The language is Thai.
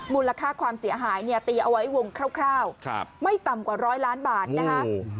มูลค่าความเสียหายเนี่ยตีเอาไว้วงคร่าวไม่ต่ำกว่าร้อยล้านบาทนะคะ